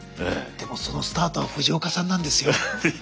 でもそのスタートは藤岡さんなんですよ。